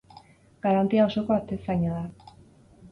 Garantia osoko atezaina da.